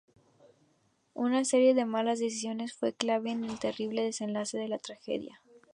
Una serie de malas decisiones fue clave en el terrible desenlace de la tragedia.